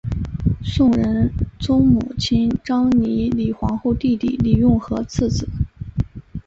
宋仁宗母亲章懿李皇后弟弟李用和次子。